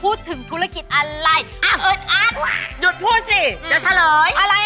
หยุดทั้งคู่เลย